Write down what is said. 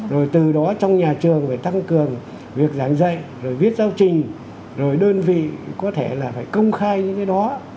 rồi từ đó trong nhà trường phải tăng cường việc giảng dạy rồi viết giao trình rồi đơn vị có thể là phải công khai như thế đó